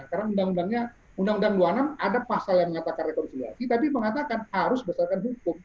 karena undang undang dua puluh enam ada pasal yang mengatakan rekonsiliasi tapi mengatakan harus berdasarkan hukum